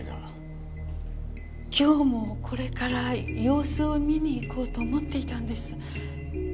今日もこれから様子を見に行こうと思っていたんです。